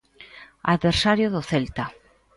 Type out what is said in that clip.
Adversario do Celta.